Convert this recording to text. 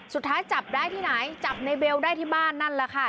สุดท้ายจับได้ที่ไหนจับในเบลได้ที่บ้านนั่นแหละค่ะ